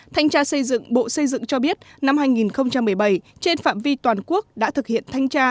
thanh tra xây dựng bộ xây dựng cho biết năm hai nghìn một mươi bảy trên phạm vi toàn quốc đã thực hiện thanh tra